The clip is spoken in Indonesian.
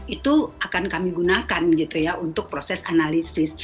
itu akan kami gunakan untuk proses analisis